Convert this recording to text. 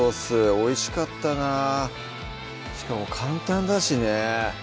おいしかったなしかも簡単だしね